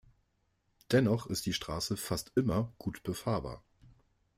Dennoch ist die Straße fast immer gut befahrbar.